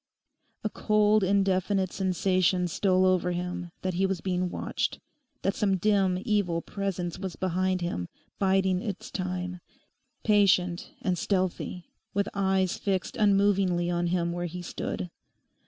A cold, indefinite sensation stole over him that he was being watched; that some dim, evil presence was behind him biding its time, patient and stealthy, with eyes fixed unmovingly on him where he stood.